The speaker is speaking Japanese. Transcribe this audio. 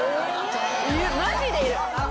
マジでいる。